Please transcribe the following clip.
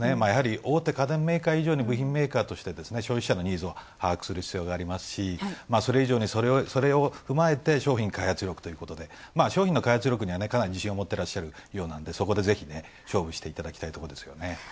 やはり大手家電メーカー以上に部品メーカーとして、消費者のニーズを把握する必要がありますし、それ以上にそれを踏まえて商品開発力ということで商品の開発力にはかなり自信を持ってらっしゃるようなのでそこでぜひ勝負していただきたいところですよね。